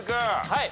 はい！